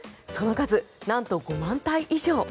その数、なんと５万体以上。